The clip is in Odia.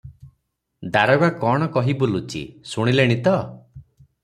ଦାରୋଗା କଣ କହି ବୁଲୁଚି, ଶୁଣିଲେଣି ତ?